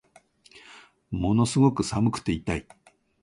ものすごく寒くて痛い